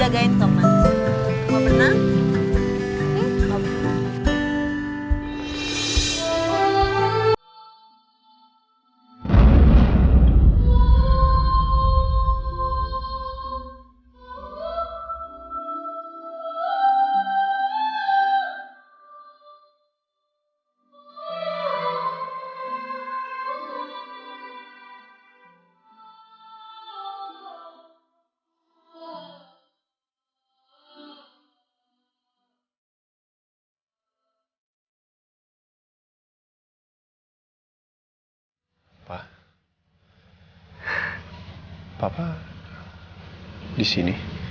gua jagain gains